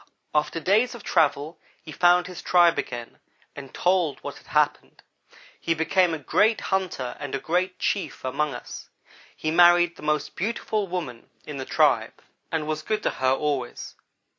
"After days of travel he found his tribe again, and told what had happened. He became a great hunter and a great chief among us. He married the most beautiful woman in the tribe and was good to her always.